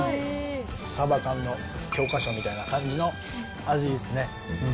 サバ缶の教科書みたいな感じの味ですね。